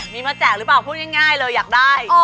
มีมาแจกหรือเปล่าพูดง่ายเลยอยากได้